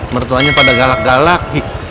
mertuanya pada galak galak